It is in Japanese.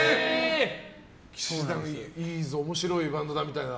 氣志團いいぞ面白いバンドだみたいな？